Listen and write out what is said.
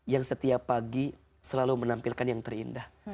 yang setiap pagi selalu menampilkan yang terindah